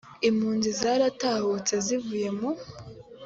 impunzi zaratahutse zivuye mu